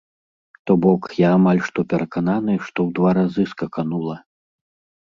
То бок, я амаль што перакананы, што ў два разы скаканула!